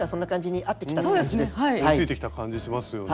追いついてきた感じがしますよね。